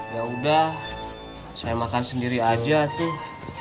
ya udah saya makan sendiri aja tuh